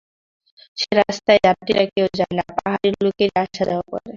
সে রাস্তায় যাত্রীরা কেউ যায় না, পাহাড়ী লোকেরাই যাওয়া-আসা করে।